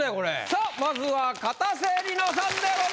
さあまずはかたせ梨乃さんでございます。